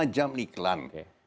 lima jam iklan